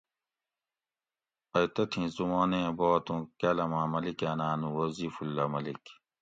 ائی تتھی زُمانیں بات اُوں کالاۤماۤں ملیکاۤناۤن وظیف اللّہ ملیک